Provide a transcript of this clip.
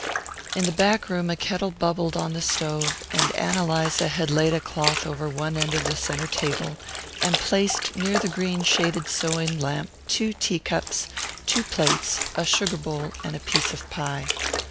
In the back room a kettle bubbled on the stove, and Ann Eliza had laid a cloth over one end of the centre table, and placed near the green shaded sewing lamp two tea cups, two plates, a sugar bowl and a piece of pie.